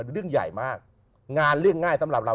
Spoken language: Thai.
เรื่องใหญ่มากงานเรื่องง่ายสำหรับเรา